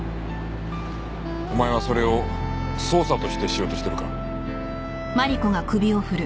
お前はそれを捜査としてしようとしてるか？